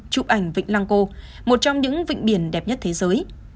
chụp ảnh vịnh lang co một trong những vịnh biển đẹp nhất thế giới